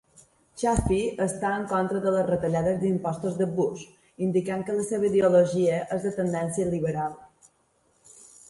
Chafee està en contra de les retallades d'impostos de Bush, indicant que la seva ideologia és de tendència liberal.